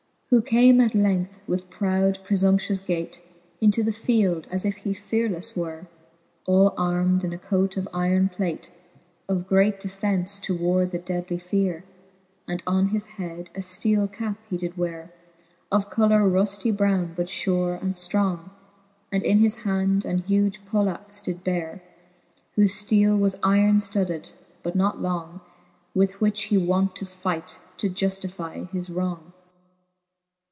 Who came at length, with proud prefumptuous gate, Into the field, as if he fearelelle were, All armed in a cote of yron plate, Of great defence to ward the deadly feare, And on his head a fteele cap he did weare Of colour ruftie browne, but fure and ftrong; And in his hand an huge polaxe did beare, Whofe fteale was yron ftudded, but not long, With which he wont to fight, to juftifie his wrong.